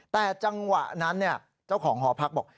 แต่จังหวะนั้นเจ้าของหอพักบอก